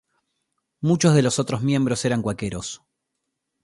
Muchos de los otros miembros eran cuáqueros.